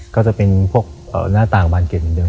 ก็จะเป็นพวกหน้าต่างบานเก่น